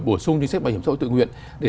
bổ sung chính sách bảo hiểm xã hội tự nguyện để